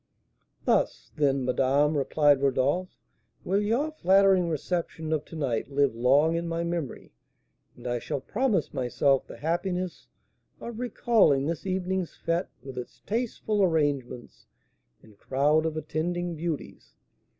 "Thus, then, madame," replied Rodolph, "will your flattering reception of to night live long in my memory; and I shall promise myself the happiness of recalling this evening's fête, with its tasteful arrangements and crowd of attending beauties.